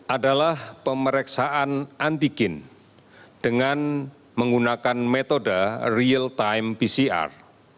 adalah pemeriksaan antigen dengan menggunakan metode real time pcr